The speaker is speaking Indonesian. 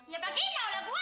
ya pagi lah udah gua